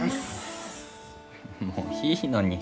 もういいのに。